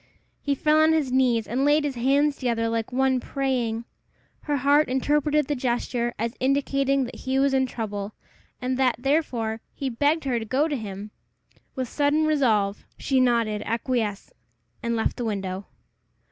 He fell on his knees and laid his hands together like one praying. Her heart interpreted the gesture as indicating that he was in trouble, and that, therefore, he begged her to go to him. With sudden resolve she nodded acquiescence, and left the window.